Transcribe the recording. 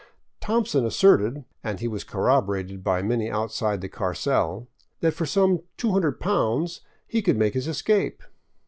" Thompson " asserted — and he was corroborated by many outside the carcel — that for some £200 he could make his escape.